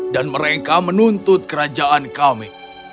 dan mereka menuntut kerajaan kami